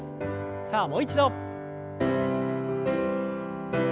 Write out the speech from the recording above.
さあもう一度。